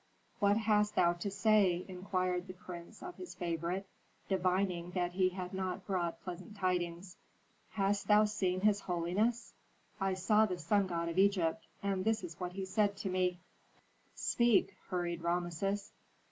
"What hast thou to say?" inquired the prince of his favorite, divining that he had not brought pleasant tidings. "Hast thou seen his holiness?" "I saw the sun god of Egypt, and this is what he said to me " "Speak," hurried Rameses.